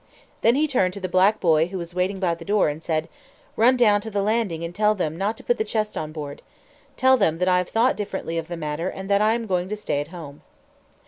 Then he turned to the black boy who was waiting by the door, and said, "Run down to the landing and tell them not to put the chest on board. Tell them that I have thought differently of the matter and that I am going to stay at home."